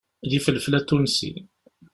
D ifelfel atunsi.